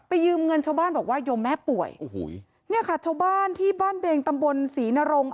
ยืมเงินชาวบ้านบอกว่าโยมแม่ป่วยโอ้โหเนี่ยค่ะชาวบ้านที่บ้านเบงตำบลศรีนรง